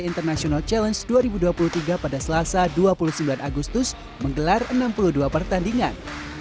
international challenge dua ribu dua puluh tiga pada selasa dua puluh sembilan agustus menggelar enam puluh dua pertandingan